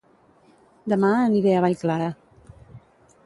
Dema aniré a Vallclara